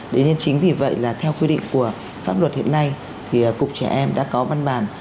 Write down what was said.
thế nên chính vì vậy là theo quy định của pháp luật hiện nay thì cục trẻ em đã có văn bản